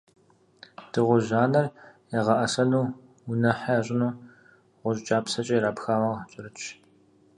Дыгъужь анэр ягъэӀэсэну, унэхьэ ящӀыну гъущӀ кӀапсэкӀэ ирапхауэ кӀэрытщ.